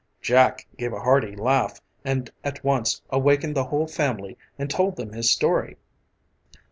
Jack gave a hearty laugh and at once awakened the whole family and told them his story.